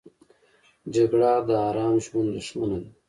جګړه د آرام ژوند دښمنه ده